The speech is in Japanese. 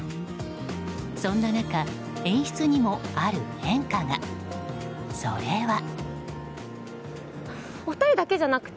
そんな中、演出にもある変化が。それは。